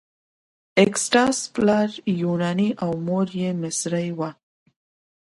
اګسټاس پلار یې یوناني او مور یې مصري وه.